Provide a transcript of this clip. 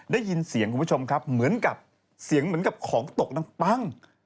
ได้ยินเสียงคุณผู้ชมครับเหมือนกับเสียงเหมือนกับของตกดังปั้ง